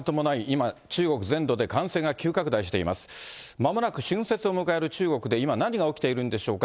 まもなく春節を迎える中国で今、何が起きているんでしょうか。